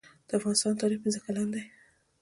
د افغانستان تاریخ پنځه زره کلن دی